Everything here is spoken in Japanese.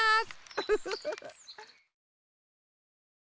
ウフフフ。